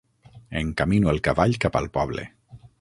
Encamino el cavall cap al poble.